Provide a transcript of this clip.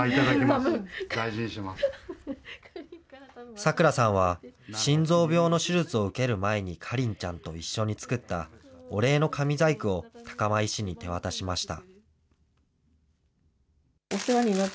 さくらさんは、心臓病の手術を受ける前に花梨ちゃんと一緒に作ったお礼の紙細工を高間医師に手渡しました。